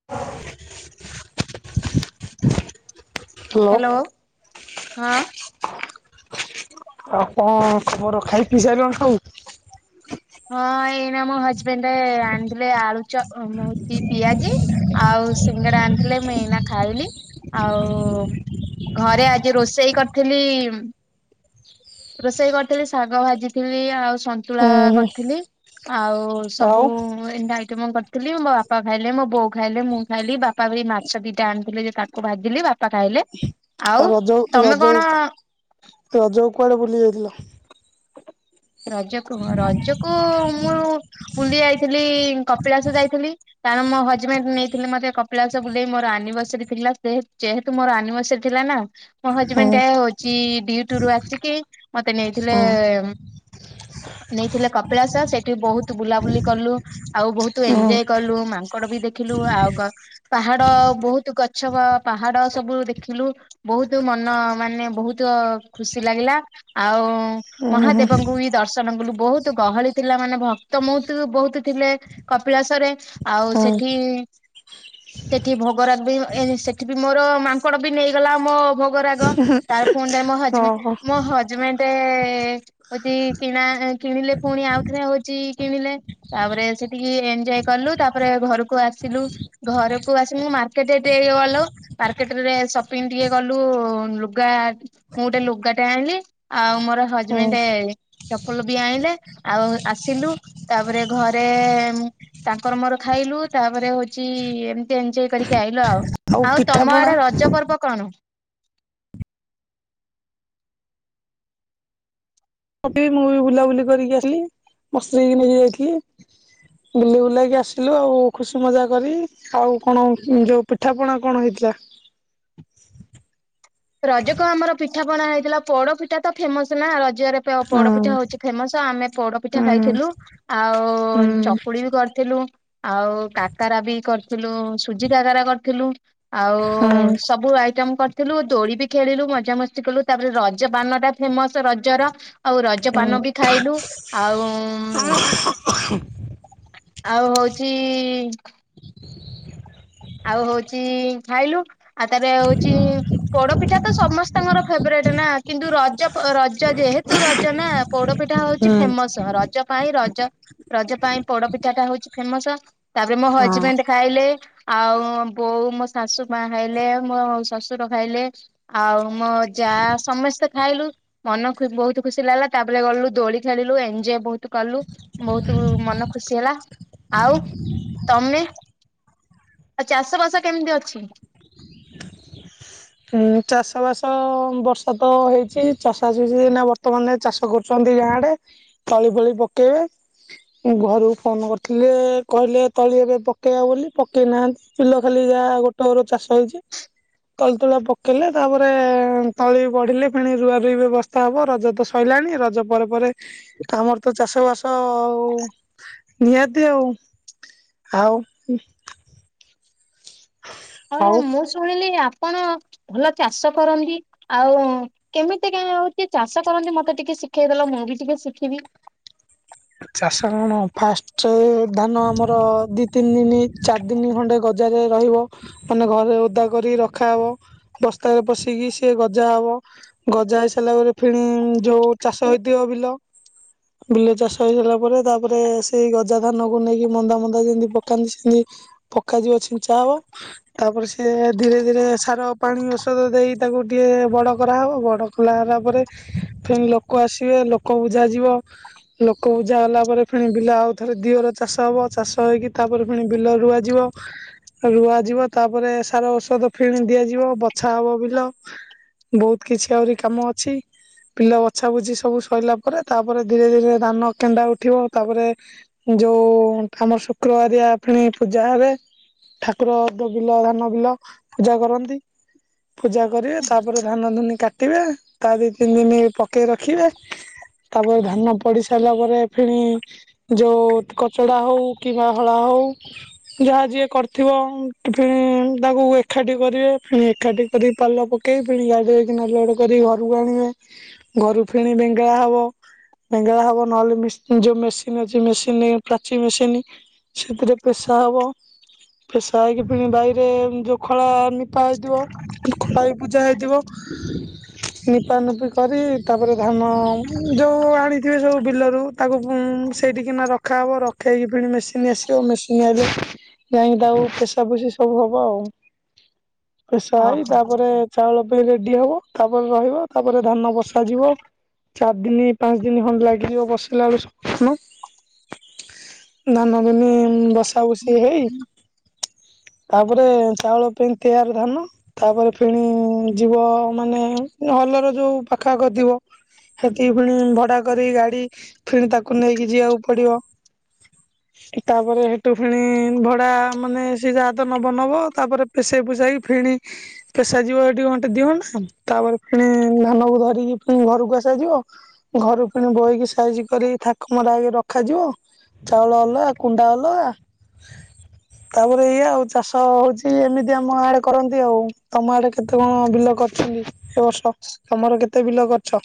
[inaudible] Hello ହଁ। ଆଉ କଣ ତମର ଖାଇ ପିଇ ସାଇଲଣି ସବୁ ହଁ ଏଇନା ମୋ ହଜବେଣ୍ଡେ ଆଣିଥିଲେ ଆଳୁ ଚପ ହୁଁ ସେ ପିଆଜି। ଆଉ ସିଙ୍ଗଡା ଆଣିଥିଲେ ମୁଁ ଏଇନା ଖାଇଲି, ଆଉ ଘରେ ଆଜି ରୋଷେଇ କରିଥିଲି ରୋଷେଇ କରିଥିଲି ଶାଗ ଭାଜିଥିଲି ଆଉ ସନ୍ତୁଳା ହୁଁ ହୁଁ। କରି ଥିଲି ଆଉ ଆଉ ସବୁ ତିନିଟା ଆଇଟମ କରିଥିଲି ମୋ ବାପା ଖାଇଲେ, ମୋ ବୋଉ ଖାଇଲେ, ମୁଁ ଖାଇଲି, ବାପା ବି ମାଛ ଦିଟା ଆଣିଥିଲେ ଯେ କା କୁ ଭାଜିଲି ବାପା ଖାଇଲେ, ଆଉ ରଜ ତମେ ରଜ କଣ ରଜକୁ କୁଆଡେ ବୁଲି ଯାଇଥିଲା? ରଜକୁ ହଁ ରଜକୁ ମୁଁ ବୁଲି ଯାଇଥିଲି, କପିଳାସ ଯାଇଥିଲି। କାରଣ ମୋ ହଜବେଣ୍ଡ ନେଇଥିଲେ ମତେ କପିଳାସ ବୁଲେଇ ମୋର ଆନିଭର୍ସରୀ ଥିଲା, ସେ ଯେହ ତୁ ମୋର ଆନିଭର୍ସରୀ ଥିଲା ନା। ମୋ ହୁଁ ହଜବେଣ୍ଡ ଟା ହଉଛି ଡିଉଟୁରୁୁ ଆସିକି ମତେ ନେଇଥିଲେ ହୁଁ ନେଇଥିଲେ କପିଳାସ ସେଠି ବହୁତ ବୁଲାବୁଲି କଲୁ। ଆଉ ବହୁତ ହୁଁ ଏଞ୍ଜୟ କଲୁ ମାଙ୍କଡ ବି ଦେଖିଲୁ ଆଉ କ ପାହାଡ ବହୁତ ଗଛ ପାହାଡ ସବୁ ଦେଖିଲୁ। ବହୁତ ମନ ମାନେ ବହୁତ ଖୁସି ଲାଗିଲା ଆଉ ହୁଁ ମହା ହୁଁ ଦେବଙ୍କୁ ବି ଦର୍ଶନ କଲୁ ବହୁତ ଗହଳି ଥିଲା ମାନେ ଭକ୍ତ ମହୁତୁ ବହୁତୁ ଥିଲେ। କପିଳାସରେ, ଆଉ ହୁଁ ସେଠି ସେଠି ଭୋଗ ରାଜ୍ ବି ଏ ସେଠି ବି ମୋର ମାଙ୍କଡ ବି ନେଇଗଲା ମୋ ଭୋ ଗୁରାକ ତାର ପୁଣିରେ ମୋ ଓହୋ। ହଜବେଣ୍ଡ ମୋ ହଜବେଣ୍ଡେ ହଉଛି କିଣା କିଣିଲେ ପୁଣି ଆଉଥରେ ହଉଛି କିଣିଲେ। ତାପରେ ସେଠିକି ଏଞ୍ଜୟ୍ କଲୁ ତାପରେ ଘରକୁ ଆସିଲୁ। ଘରକୁ ଆସି ମୁଁ ମାର୍କେଟ ଏଠି ଏଇ ଗଲୁ। ମାର୍କେଟ ରେ ସପିଙ୍ଗ ଟିକେ ଗଲୁ ଲୁଗା ମୁଁ ଗୋଟେ ଲୁଗାଟେ ଆଣିଲି ଆଉ ମୋର ହୁଁ ହଜବେଣ୍ଡ ସେ ଚପଲ ବି ଆଣିଲେ ଆଉ ଆସିଲୁ ତାପରେ ଘରେ ତାଙ୍କର ମୋର ଖାଇଲୁ ତାପରେ ହଉଛି ଏମିତି ଏନଜୟ କରିକି ଆଇଲୁ ଆଉ। ଆଉ ତମ ଆଡେ ରଜ ପର୍ବ କଣ? ଟ ମୁଁ ବି ବୁଲାବୁଲି କରିକି ଆସିଲି ମୋ ସ୍ତ୍ରୀ କୁ ନେଇକି ଯାଇଥିଲି। ବୁଲି ବୁଲେଇକି ଆସିଲୁ ଆଉ ଖୁସି ମଜା କରି। ଆଉ କଣ ଯୋଉ ପିଠାପଣା କଣ ହେଇଥିଲା? ରଜକୁ ଆମର ପିଠା ପଣା ହେଇଥିଲା ପୋଡ ପିଠା ତ ଫେମସ ନା ରଜରେ। ପୋଡପିଠା ହୁଁ। ହଉଛି ଫେମସ ଆମେ ପୋଡପିଠା ଖାଇଥିଲୁ। ଆଉ ହୁଁ ଚକୁଳି ବି କରିଥିଲୁ। ଆଉ କାକାରା ବି କରିଥିଲୁ ସୁଜି କାକରା କରିଥିଲୁ। ଆଉ ହୁଁ ସବୁ ଆଇଟମ କରିଥିଲୁ ଦୋଳି ବି ଖେଳିଲୁ ମଜାମସ୍ତି କଲୁ ତାପରେ ରଜପାନ ଟା ଫେମସ ରଜର ଆଉ ରଜ ହୁଁ ପାନ ବି ଖାଇଲୁ ଆଉଉଁ ଆଉ ହଉଚି ଆଉ ହଉଚି ଖାଇଲୁ। ଆଉ ତାରେ ହଉଛି ପୋଡପିଠା ତ ସମସ୍ତଙ୍କର ଫେବରେଟ ନା କିନ୍ତୁ ରଜ ରଜ ଯେହେତୁ ରଜ ନା ପୋଡପିଠା ହୁଁ ହୁଁ ହଉଛି ଫେମସ। ରଜ ପାଇଁ ରଜ ରଜ ପାଇଁ ପୋଡପିଠା ଟା ହଉଛି ଫେମସ। ତାପରେ ମୋ ହଁ। ହଜବେଣ୍ଡ ଖାଇଲେ। ଆଉ ବୋଉ ମୋ ଶାଶୁ ମା ଖାଇଲେ ମୋ ଶ୍ୱଶୁର ଖାଇଲେ। ଆଉ ମୋ ଯା ସମସ୍ତେ ଖାଇଲୁ। ମନ ଖ ବହୁତ ଖୁସି ଲାଗିଲା ତାପରେ ଗଲୁ ଦୋଳି ଖେଳିଲୁ ଏନଜୟ ବହୁତ କଲୁ। ବହୁତ ମନ ଖୁସି ହେଲା। ଆଉ ହୁଁ ତମେ ଆଉ ଚାଷ ବାସ କେମିତି ଅଛି? ହୁଁ ଚାଷ ବାସ ବର୍ଷା ତ ହେଇଛି ଚାଷସ ହେଛି ନା ବର୍ତ୍ତମାନ ଚାଷ କରୁ ଛନ୍ତି ଗାଁଆଡେ ତଳି ଫଳି ପକେଇବେ। ଉମ୍ ଘରକୁ ଫୋନ୍ କରିଥିଲି କହିଲେ ତଳି ଏବେ ପକେଇବା ବୋଲି ପକେଇନାହାନ୍ତି। ବିଲ ଖାଲି ଯାହା ଗୋଟେ ଘର ଚାଷ ହେଇଚି। ପତୁଳା ପକେଇଲେ ତାପରେ ତଳି ବଢ଼ିଲେ ପୁଣି ରୁଆରୁଇ ବେବସ୍ଥା ହବ ରଜତ ସଇଲାଣି ରଜ ପରେ ପରେ ଆମର ତ ଚାଷ ବାସ ଆଉ ନିହାତି ଆଉ ଆଉ ହଁ ଆଉ ମୁଁ ଶୁଣିଲି ଆପଣ ଭଲ ଚାଷ କରନ୍ତି। ଆଉ କେମିତି କ ହଉଛି ଚାଷ କରନ୍ତି ମତେ ଟିକେ ଶିଖେଇଦେଲ ମୁଁ ବି ଟିକେ ଶିଖିବି। ଚାଷ କଣ ଫାଷ୍ଟ ଧାନ ଆମର ଦି ତିନି ଦିନ ଚାରି ଦିନ ଖଣ୍ଡେ ଗ ଜାରେ ରହିବ ମାନେ ଘରେ ଓଦା କରି ରଖାହବ। ବସ୍ତାରେ ପଶିକି ସେ ଗଜା ହବ। ଗଜା ହେଇସାରିଲା ପରେ ଫେଣି ଯୋଉ ଚାଷ ହେଇଥିବ ବିଲ ବିଲ ଚାଷ ହେଇ ସରଲା ପରେ ତାପରେ ସେଇ ଗଜା ଧାନକୁ ନେଇକି ମନ୍ଦା ମନ୍ଦା ଯେମିତି ପକାନ୍ତି ସେମିତି ପକାଯିବ ଛିଞ୍ଚା ହବ। ତାପରେ ସିଏ ଧୀରେ ଧୀରେ ସାର ପାଣି ଔଷଧ ଦେଇ ତାକୁ ଟିକେ ବଡ କରାହେବ ବଡ ଖୋଲା ହେଲା ପରେ ଫେଣି ଲୋକ ଆସିବେ ଲୋକ ବୁଝା ଯିବ। ଲୋକ ବୂଜା ହେଲା ପରେ ଫୁଣି ବିଲ ଆଉ ଥରେ ଦିଅର ଚାଷ ହବ ଚାଷ ହେଇକି ତାପରେ ଫୁଣି ବିଲ ରୁଆଯିବ। ରୁଆଯିବ ତାପରେ ସାର ଔଷଧ ଫିଣି ଦିଆଯିବ ବଛା ହବ ବିଲ। ବହୁତ କିଛି ଆହୁରି କାମ ଅଛି। ବିଲ ବଛା ବୁଛି ସବୁ ସରିଲା ପରେ ତାପରେ ଧୀରେ ଧୀରେ ଧାନ କେଣ୍ଡା ଉଠିବ ତାପରେ ଯୋଉ ଆମ ଶୁକ୍ରବାରିଆ ଫେଣି ପୂଜା ହେବେ। ଠାକୁର ବିଲ ଧାନ ବିଲ ପୂଜା କରନ୍ତି। ପୂଜା କରିବେ ତାପରେ ଧାନ ଧୁନି କାଟିବେ। ତା ଦି ତିନି ଦିନ ପକେଇ ରଖିବେ ତାପରେ ଧାନ ପଡି ସାରିଲା ପରେ ଫେଣି ଯୋଉ କଚଡା ହଉ କିମ୍ବା ହଳା ହଉ ଯାହା ଯିଏ କରିଥିବ ଫିଣି ତାକୁ ଏକାଠି କରିବେ ଫିଣି ଏକାଠି କରି ପାଲ ପକ ପକେଇ ଫିଣି ଗାଡିକିନା ଲୋଡ଼ କରି ଘରକୁ ଆଣିବେ ଘରୁ ଫେଣି ବେଙ୍ଗେଳା ହବ ବେଙ୍ଗେଳା ହବ ନହେଲେ ଯୋଉ ମେସିନ ଅଛି ମେସିନ ପ୍ରାଚୀ ମେସିନ୍ ସେଥିରେ ପେସା ହବ ଫେସା ହେଇକି ପିଣି ବାଇରେ ଯେଉଁ ଖଳା ନିପା ହେଇଥିବ ଖଳାଇ ପୂଜା ହେଇଥିବ ନିପା ନିପି କରି ତାପରେ ଧାନ ଯୋଉ ଆଣି ଥିବେ ସବୁ ବିଲରୁ ତାକୁ ହୁଁ ସେଇଠି କିନା ରଖାହେବ ରଖାହେଇକି ପୁଣି ମେସିନ୍ ଆସିବ ମେସିନ୍ ଆଇଲେ ଯାଇଁ କି ତାକୁ ପେସା ପେଶୀ ସବୁ ହବ ଆଉ ପେସା ହେଇ ତାପରେ ଚାଉଳ ପାଇଁ ରେଡି ହବ ତାପରେ ରହିବ ତାପରେ ଧାନ ବସାଯିବ ଚାରି ଦିନି ପାଞ୍ଚ ଦିନି ଖଣ୍ଡେ ଲାଗିଯିବ ବସିଲା ବେଳୁ ସବୁ ଧାନ। ଧାନ ଦୁନି ବସା ବସି ହେଇ ତାପରେ ଚାଉଳ ପେଇଁ ତିଆରି ଧାନ ତାପରେ ଫେଣି ଯିବ ମାନେ ହାଲର ଯୋଉ ପାଖା ଆଖ ଥିବ ସେଠି ପୁଣି ଭଡା କରି ଗାଡି ଫିଣି ତାକୁ ନେଇକି ଯିବାକୁ ପଡିବ। [inaudible] ତାପରେ ହେଠୁ ଫେଣି ଭଡା ମାନେ ସେ ଯାହା ତ ନବ ନବ ତାପରେ ପେସେଇ ପୁସେଇକି ଫେଣି ପେଶାଯିବ ଏଠି ଘଣ୍ଟେ ଦି ଘଣ୍ଟା ତାପରେ ଫୁଣି ଧାନକୁ ଧରିକି ଫେଣି ଘରକୁ ଆସା ଯିବ। ଘରୁ ପୁଣି ବୋହିକି ସାଇଜି କରି ଥାକ ମରା ହେଇକି ରଖାଯିବ। ଚାଉଳ ଅଲଆ କୁଣ୍ଡା ଅଲଗା। ତାପରେ ଇଏ ଆଉ ଚାଷ ହଉଛି ଏମିତି ଆମ ଆଡେ କରନ୍ତି ଆଉ ତମ ଆଡେ କେତେ କଣ ବିଲ କରିଛନ୍ତି। ଏ ବର୍ଷ ତମର କେତେ ବିଲ କରଛ?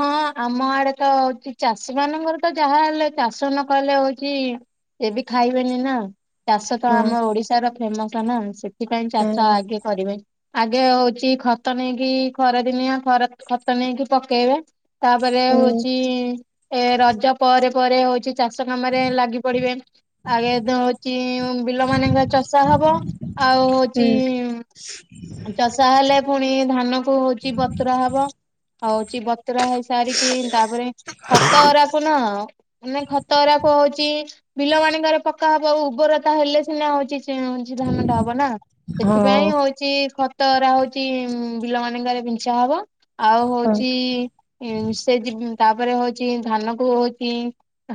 ହଁ ଆମ ଆଡେ ତ ହଉଚି ଚାଷୀ ମାନଙ୍କର ତ ଯାହା ହେଲେ ଚାଷ ନ କହିଲେ ହଉଚି ସେ ବି ଖାଇବେନି ନା। ଚାଷ ତ ହଁ ଆମ ଓଡିଶାର ଫେମସ ନା ସେଥିପାଇଁ ଚାଛ ହଁ ଆଗେ କରିବେ ଆଗେ ହଉଚି ଖତ ନେଇକି ଖରାଦିନିଆ ଖରା ଖତ ନେଇକି ପକେଇବେ। ତାପରେ ହୁଁ। ହଉଚି ଏ ରଜ ପରେ ପରେ ହଉଚି ଚାଷ କାମରେ ଲାଗି ପଡିବେ ଆଗ ତ ହଉଚି ବିଲ ମାନଙ୍କର ଚସା ହବ। ଆଉ ହଉଚି ହୁଁ। ଉଁ ଚାଷ ହେଲେ ପୁଣି ଧାନ କୁ ହଉଚି ବତୁରା ହବ ହଉଚି ବ ବତୁରା ହେଇ ସାରିକି ତାପରେ ଖତ ଅରାକୁ ନା ମାନେ ଖତ ଅରାକୁ ହଉଚି ବିଲ ମାନଙ୍କର ପକା ହବ ଆଉ ଉର୍ବରତା ହେଲେ ସିନା ହଉଚି ଚା ଚି ଧାନଟା ହବ ନା ହଁ ହଁ ସେଥିପାଇଁ ହଉ ଚି ଖତ ଅରା ହଉଛି ବିଲ ମାନଙ୍କରେ ବିଞ୍ଛା ହବ ଆଉ ହୁଁ ହଉଚି ଇମ ସେ ତାପରେ ହଉଚି ଧାନ କୁ ହଉଚି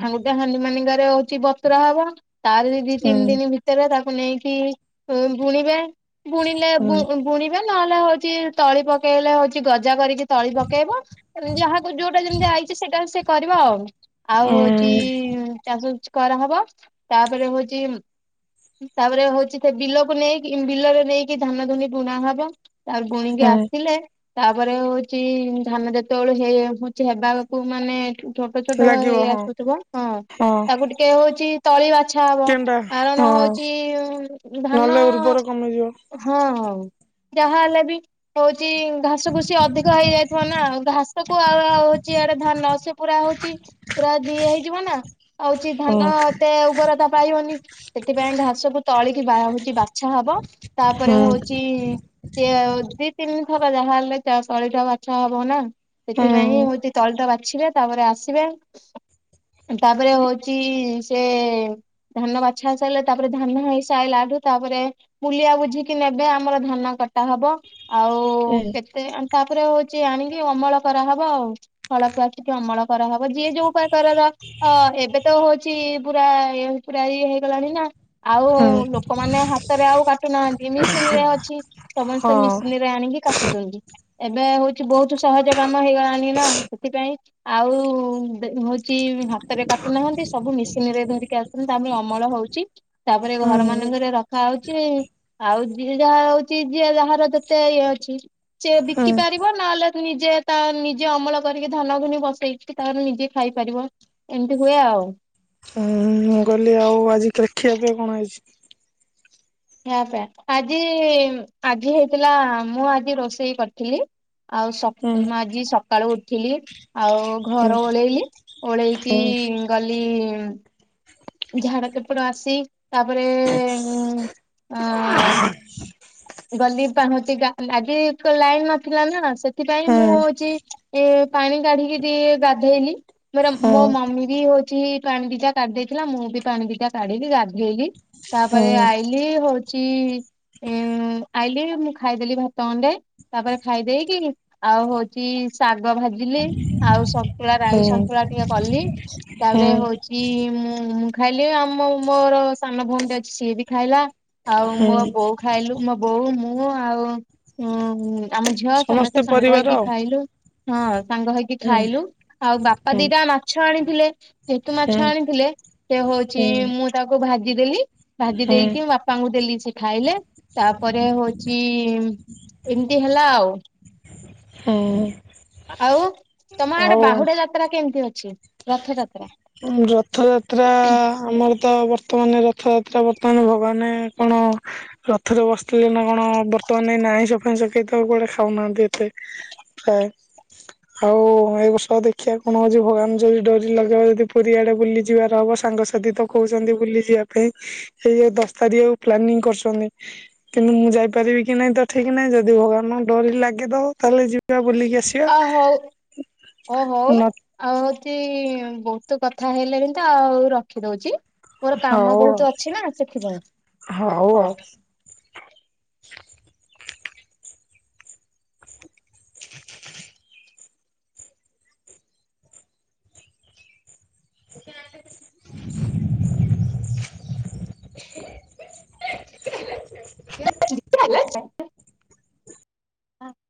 ହାଙ୍ଗୁଟେ ହାଣ୍ଡି ମାନଙ୍କରେ ହଉଚି ବତୁରା ହବ ତାର ଜି ଦି ତିନି ଦିନ ଭିତରେ ତାକୁ ନେଇକି ଉଁ ବୁଣିବେ ବୁଣିଲେ ବୁ ହୁଁ ବୁଣି ଏବେ ନହେଲେ ହଉଛି ତଳି ପକେଇଲେ ହଉଛି ଗଜା କରିକି ତଳି ପକେଏ ଯାହାକୁ ଯୋଉଟା ଯେମିତି ଆଇଚି ସେଇଟା ସେ କରିବ ଆଉ ଆଉ ହଉଚି ଉଁ ଚାଷ ଯ କରା ହବ ତାପରେ ହଉଚି ତାପରେ ହଉଛି ସେ ବିଲକୁ ନେଇକି ବିଲରେ ନେଇକି ଧାନ ଧୁନି ବୁଣା ହବ। ତା ବୁଣିକି ହୁଁ ଆସିଲେ ତାପରେ ହଉଛି ଧାନ ଦେ ଯେତେବେଳେ ହେଇ ହଉଚି ହେବାକୁ ମାନେ ଠୁ ଛୋଟ ଛୋଟ ଲାଗିବ ହେଇ ହଁ ଆସୁଥିବ ହଁ ତାକୁ ଟିକେ ହଉଚି ତଳି ବାଛା ହବ। କେଣ୍ଡା କାରଣ ହଁ ହଉଚି ଧାନ ନହେଲେ ଉର୍ବର କମିଯିବ। ହଁ ହଉ ଯାହା ହେଲା ବି ହଉଚି ଘାସ ଘୁସି ଅଧିକ ହେଇଯାଇଥିବ ନା ଘାସ କୁ ଆଉଉ ହଉଚି ଆଡେ ଧାନ ସେ ପୁରା ରା ହଉଚି ପୁରା ଇଏ ହେଇଯିବ ନା ହଉଛି ହଁ ଧାନ ଏତେ ଉର୍ବରତା ପାଇବନି। ସେଥିପାଇଁ ଘାସକୁୁ ତଳିକି ବା ହଉଚି ବାଛା ହବ ତାପରେ ହଁ ହଉଚି ଚି ଦି ତିନି ଥର ଯାହାହେଲେ ତଳି ଟା ବାଛା ହବ ନା। ହୁଁ ସେଥିପାଇଁ ହଉଚି ତଳିଟା ବାଛିବେ ତାପରେ ଆସିବେ। ତାପରେ ହଉଚି ସେ ଧାନ ବାଛା ସାରିଲେ ତାପରେ ଧାନ ହେଇସାଇଲା ଠୁ ତାପରେ ମୁଁଲିଆ ବୁଝିକି ନେବେ ଆମର ଧନ କଟା ହବ। ଆଉ ହୁଁ କେତେ ତାପରେ ହଉଛି ଆଣିକି ଅମଳ କରାହବ ଆଉ ହଳକି ଆସିକି ଅମଳ କର ହବ ଯିଏ ଯୋଉ ପ୍ରକାରର ଅ ଏବେ ତ ହଉଛି ପୁରା ଇ ପୁରା ଇଏ ହେଇଗଲାଣି ନା। ଆଉ ମୁଁ ଲୋକମାନେ ହାତରେ ଆଉ କାଟୁନାହାନ୍ତି ମେସିନ ରେ ଅଛି ସମସ୍ତେ ମେସିନ ଆଣିକି କାଟୁଛନ୍ତି ଏବେ ହଉଛି ବହୁତ ସହଜ କାମ ହେଇଗଲାଣି ନା ସେଥିପାଇଁ, ଆଉ ହଉଛି ହାତରେ କାଟୁନାହାନ୍ତି, ସବୁ ମେସିନ ରେ ଧରିକି ତାପରେ ଅମଳ ହଉଛି ତାପରେ ଘର ମାନଙ୍କରେ ରଖା ହଉଛି। ଆଉ ଯ ଯାହା ହଉଛି ଯିଏ ଯାହାର ଯେତେ ଇଏ ଅଛି। ସେ ବିକି ପାରିବ ନହେଲେ ନିଜେ ତା ନିଜେ ଅମଳ କରିକି ଧାନ ଘୁନି ବସେଇକି ତା ନିଜେ ଖାଇପାରିବ ଏମିତି ହୁଏ ଆଉ। ମୁଁ କହିଲି ଆଉ ଆଜି କଖିବା ପାଇଁ କଣ ହେଇଛି? ହେପ ଆଜି ଆଜି ହେଇଥିଲା ମୁଁ ଆଜି ରୋଷେଇ କରିଥିଲି। ଆଉ ହୁଁ ଆଜି ସକାଳୁ ଉଠିଲି ଆଉ ହୁଁ ଘର ଓଳେଇଲି, ଓଳେଇକି, ଗଲି ଝାଡ କେପଟ ଆସି ତାପରେ ହଁ, ହଁ ଗଲି ପାହଁଚି ଆଜି ଲାଇନ ନଥିଲା ନା ସେଥିପାଇଁ ମୁଁ ହଉଛି ଏ ପାଣି କାଢିକି ଟିକେ ଗାଧେଇଲି ମୋର ହୁଁ ମୋ ହୁଁ ମମି ବି ହଉ କିଛି ପାଣି ଦିଜା କାଢି ଦେଇେଇଥିଲା ମୁଁ ବି ପାଣି ଦିଟା କାଢିଲି ଗାଧେଇଲି ତାପରେ ଆଇ କଲି ହଉଛି ଉ ଆଇଲି ମୁଁ ଖାଇଦେଲି ଭାତ ଖଣ୍ଡେ ତାପରେ ଖାଇଦେଇକି ଆଉ ହଉଛି ଶାଗ ଭାଜି ବଝିଲି ଆଉ ସନ୍ତୁଳା ରାଇ ହୁଁ ହୁଁ ସନ୍ତୁଳା ଟିକେ କଲି ହୁଁ ତାପରେ ହୁଁ ହଉଛି କି ମୁଁ ମୁଁ ଖାଇଲି ଆମ ମୋର ସାନ ଭଉଣୀ ଅଛି ସିଏ ବି ଖାଇଲା। ଆଉ ମୋ ହୁଁ ବୋଉ ଖାଇଲୁ ମୋ ବୋଉ ମୁଁ ଆଉ ହୁଁ ଆମ ଝିଅ ସମେସ୍ତେ ସମସ୍ତେ ସାଙ୍ଗ ପରିବାର ହେଇକି ଆଉ। ଖାଇଲୁ ହଁ ସାଙ୍ଗ ହେଇକି ହୁଁ ଖାଇଲୁ ଆଉ ବାପା ହୁଁ ଦିଟା ମାଛ ଆଣିଥିଲେ, ଯେହେତୁ ମାଛ ହୁଁ ଆଣିଥିଲେ ସେ ହଉଛି ହୁଁ ମୁଁ ତାକୁ ଭାଜିଦେଲି ଭାଜି ହୁଁ ଦେଇକି ବା ବାପାଙ୍କୁ ଦେଲି ସେ ଖାଇଲେ। ତାପରେ ହଉଚି ଏମିତି ହେଲା ଆଉ। ହଉ। ଆଉ ତମ ଆଡେ ବାହୁଡା ଯାତ୍ରା କେମିତି ଅଛି ରଥ ଯାତ୍ରା? ରଥଯାତ୍ରା ଆମର ତ ବର୍ ବର୍ତ୍ତମାନେ ରଥଯାତ୍ରା ବର୍ତ୍ତମାନ ଭଗବାନେ କଣ ରଥରେ ବସିଥିଲେ ନା କଣ? ବର୍ତ୍ତମାନ ଏଇନେ ଆଇଁଷ ଫାଇଁଷ କେହି ତ କୁଆଡେ ଖାଉନାହାନ୍ତି ଏତେ। ପ୍ରାଏ, ଆଉ ଏଇ ବର୍ଷ ଦେଖିଆ କଣ ହଉଚି ଭଗବାନ ଯଦି ଡରି ଲଗେଇବେ ଯଦି ପୁରୀଆଡେ ବୁଲି ଯିବାର ହବ, ସାଙ୍ଗସାଥି ତ କହୁଛନ୍ତି ବୁଲି ଯିବା ପାଇଁ। ହେଇ ଏଇ ଦଶ ତାରିଖ କୁ ପ୍ଲାନିଂ କରୁଛନ୍ତି। କିନ୍ତୁ ମୁଁ ଯାଇପାରିବି କି ନାଇଁ ତ ଠିକ୍ ନାହିଁ, ଯଦି ଭଗବାନଙ୍କ ଡୋରି ଲାଗେ ତ ତାହେଲେ ଯିବା ବୁଲିକି ଆସି ଆ ହଉ। ଓ ନ ହଉ। ଆଉ ହଉଚି ବହୁତ କଥା ହେଲେଣି ତ ଆଉ ରଖିଦଉଚି। ମୋର କାମ ହଉ ଆଉ ବହୁତ ଅଛି ନା ସେଥିପାଇଁ ହଉ। [inaudible] [inaudible] [inaudible] [unintelligible] ହଉ।